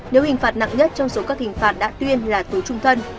nếu hình phạt nặng nhất trong số các hình phạt đã tuyên là tù trung thân